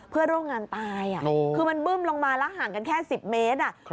เพื่อนร่วมงานตายคือมันบึ้มลงมาแล้วห่างกันแค่๑๐เมตร